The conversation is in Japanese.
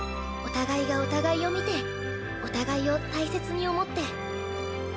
お互いがお互いを見てお互いを大切に思って。